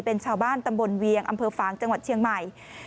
เป็นชาวบ้านตำบลเวียงอำเภอฟางจังหวัดเชียงใหม่